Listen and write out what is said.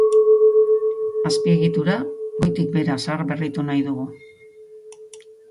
Azpiegitura goitik behera zaharberritu nahi dugu.